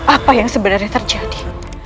apa yang sebenarnya terjadi